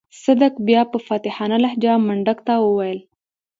صدک بيا په فاتحانه لهجه منډک ته وويل.